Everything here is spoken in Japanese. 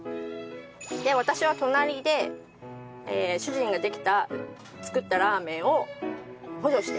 私は隣で主人が作ったラーメンを補助して。